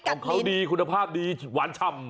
ของเขาดีคุณภาพดีหวานฉ่ำ